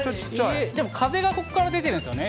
風がここから出てるんですよね？